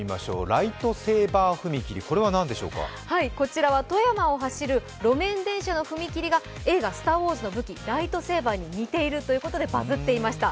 ライトセーバー踏切、何でしょうかこちらは富山を走る路面電車の踏切が映画「スター・ウォーズ」の武器ライトセーバーに似ているということでバズッていました。